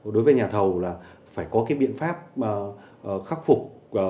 đối với nhà thầu là phải có cái biện pháp khắc phục